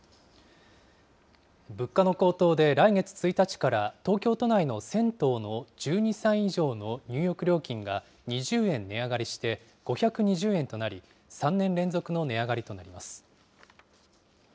物価の高騰で来月１日から東京都内の銭湯の１２歳以上の入浴料金が２０円値上がりして、５２０円となり、３年連続の値上がりとなります。